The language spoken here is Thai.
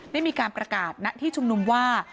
ได้มีการประกาศณที่ชุมนุมว่า